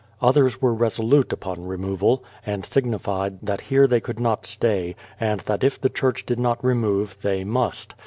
Others were resolute upon removal, and signified that here they could not stay, and that if the church did not remove they must.